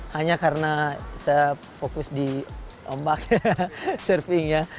hanya karena saya fokus di ombak surfing ya